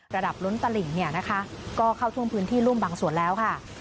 ระดับล้นตลิ่งก็เข้าท่วมพื้นที่ร่วมบางส่วนแล้วค่ะ